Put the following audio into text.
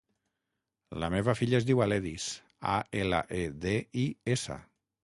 La meva filla es diu Aledis: a, ela, e, de, i, essa.